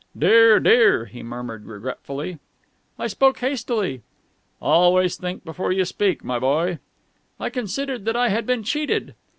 "Dear, dear!" he murmured regretfully. "I spoke hastily." "Always think before you speak, my boy." "I considered that I had been cheated...."